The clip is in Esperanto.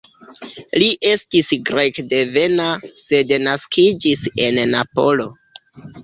Li estis grekdevena, sed naskiĝis en Napolo.